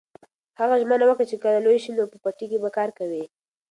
هغه ژمنه وکړه چې کله لوی شي نو په پټي کې به کار کوي.